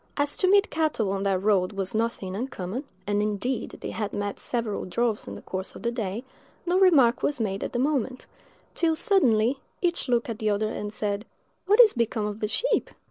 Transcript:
As to meet cattle on that road was nothing uncommon, and indeed they had met several droves in the course of the day, no remark was made at the moment, till, suddenly, each looked at the other and said, "What is become of the sheep?"